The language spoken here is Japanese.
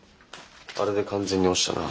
あれで完全に落ちたな。